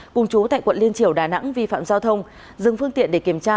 cùng chú tại quận liên triểu đà nẵng vi phạm giao thông dừng phương tiện để kiểm tra